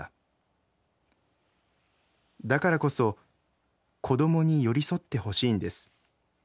だからこそ子どもに寄り添ってほしいんです。